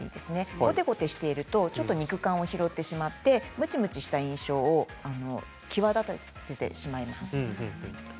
ごてごてしているものは肉感を拾ってむちむちした印象を際立たせてしまいます。